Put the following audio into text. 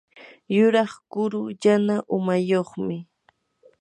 yuraq kuru yana umayuqmi.